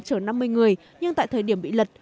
chở năm mươi người nhưng tại thời điểm bị lật